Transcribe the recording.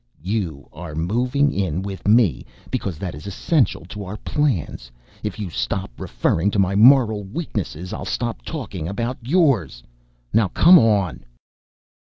"You are moving in with me because that is essential to our plans. And if you stop referring to my moral weaknesses I'll stop talking about yours. Now come on."